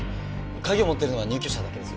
鍵を持っているのは入居者だけです。